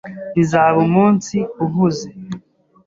Bizaba umunsi uhuze.